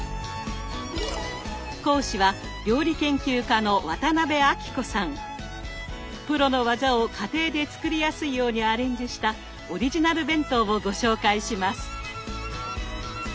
講師はプロの技を家庭で作りやすいようにアレンジしたオリジナル弁当をご紹介します。